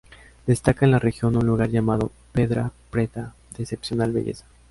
Destaca en la región un lugar llamado "Pedra Preta", de excepcional belleza.